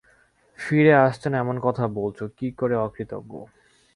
ফিরে আসছে না, এমন কথা বলছ কী করে অকৃতজ্ঞ?